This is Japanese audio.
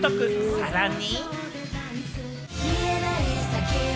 さらに。